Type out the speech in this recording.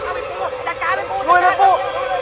เอ้าไอ้ปูจัดการไอ้ปู